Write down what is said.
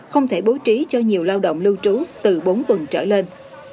không thể bố trí cho nhiều lao động lưu trú từ bốn tuần trở lên